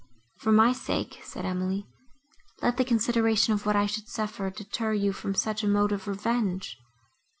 "For my sake," said Emily, "let the consideration of what I should suffer deter you from such a mode of revenge!"